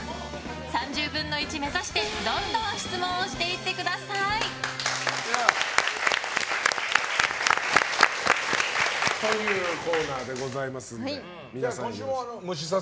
３０分の１目指してどんどん質問をしていってください！というコーナーでございます。